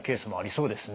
そうですね